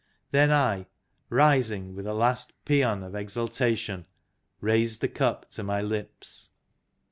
Then I, rising with a last paean of exultation, raised the cup to my lips.